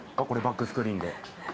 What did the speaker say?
これバックスクリーンで。